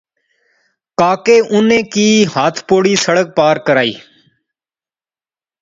کاکے اُناں کی ہتھ پوڑی سڑک پار کرائی